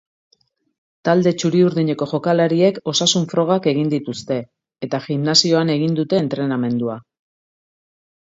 Talde txuri-urdineko jokalariek osasun-frogak egin dituzte, eta gimnasioan egin ute entrenamendua.